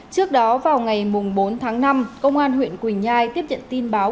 trước đó vào ngày bốn tháng năm công an huyện quỳnh nhai tiếp nhận tin báo